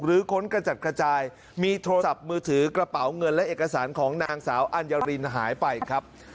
ค้นกระจัดกระจายมีโทรศัพท์มือถือกระเป๋าเงินและเอกสารของนางสาวอัญรินหายไปครับ